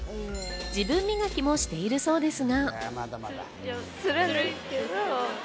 自分磨きもしているそうですが。